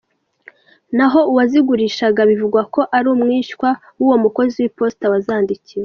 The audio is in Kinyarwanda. Naho uwazigurishaga bivugwa ko ari umwishywa w’uwo mukozi w’iposita wazandikiwe.